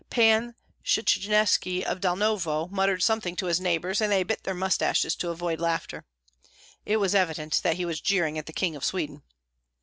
Pan Shchanyetski of Dalnovo muttered something to his neighbors, and they bit their mustaches to avoid laughter. It was evident that he was jeering at the King of Sweden.